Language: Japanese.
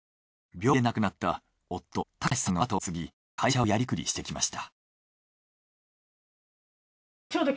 病気で亡くなった夫孝さんの後を継ぎ会社をやりくりしてきました。